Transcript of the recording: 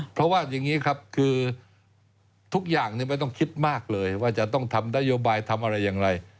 เพราะว่าอย่างนี้ครับคือทุกอย่างไม่ต้องคิดมากเลยว่าจะต้องทำนโยบายทำอะไรอย่างไร